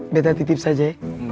beda titip saja ya